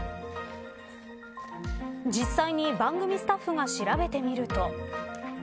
実際に番組スタッフが調べてみると。